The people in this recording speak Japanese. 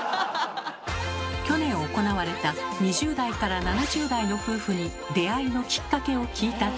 去年行われた２０代から７０代の夫婦に出会いのきっかけを聞いた調査。